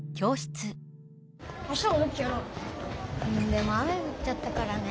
でも雨ふっちゃったからね。